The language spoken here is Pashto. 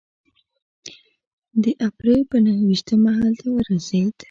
د اپرېل په نهه ویشتمه هلته ورسېد.